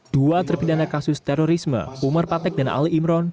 dua terpidana kasus terorisme umar patek dan ali imron